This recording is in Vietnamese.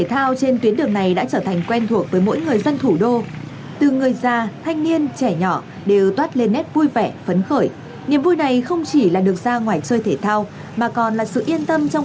hầu hết mọi người đều chấp hành nghiêm chỉnh việc giữ khoảng cách và đeo khẩu trang